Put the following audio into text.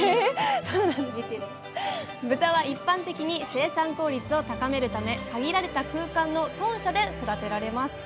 豚は一般的に生産効率を高めるため限られた空間の豚舎で育てられます。